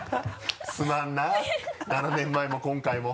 すまんな７年前も今回も。